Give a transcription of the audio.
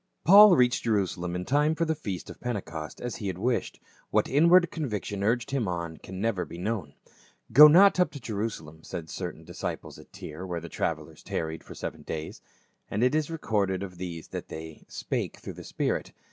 AUL reached Jerusalem in time for the feast of Pentecost, as he had wished. What inward conviction urged him on can never be known. " Go not up to Jerusalem," said certain disciples at Tyre where the travelers tarried seven days ; and it is re corded of these that they " spake through the spirit."